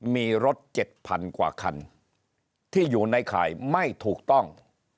มีรถ๗๐๐กว่าคันที่อยู่ในข่ายไม่ถูกต้อง